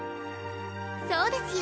そうですよ。